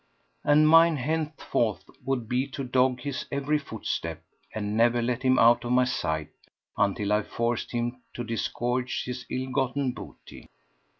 —and mine henceforth would be to dog his every footstep and never let him out of my sight until I forced him to disgorge his ill gotten booty.